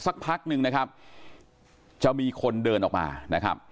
สักพักนึงนะครับจะมีคนเดินออกมานะครับ